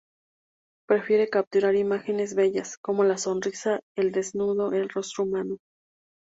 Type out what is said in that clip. Prefiere capturar imágenes bellas, como la sonrisa, el desnudo, el rostro humano.